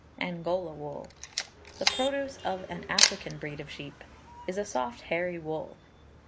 Angola Wool. The produce of an African breed of sheep; is a soft hairy wool.